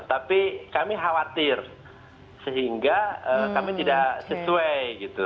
tapi kami khawatir sehingga kami tidak sesuai gitu